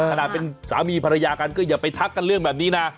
ขนาดเป็นสามีภรรยากันก็อย่าไปทักกันเรื่องแบบนี้นะ